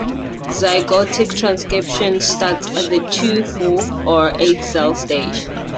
Zygotic transcription starts at the two-, four-, or eight-cell stage.